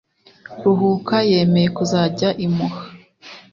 ruhuka yemeye kuzajya imuha